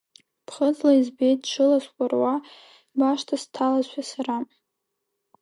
Ԥхыӡла избеит ҽыла скәаруа, башҭа сҭалазшәа сара.